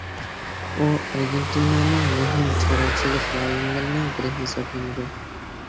بۇ ئارگېنتىنانىڭ مۇھىم چارۋىچىلىق رايونلىرىنىڭ بىرى ھېسابلىنىدۇ.